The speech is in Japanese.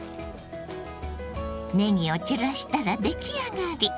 ねぎを散らしたら出来上がり。